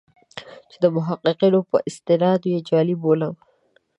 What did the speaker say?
چې د محققینو په استناد یې جعلي بولم.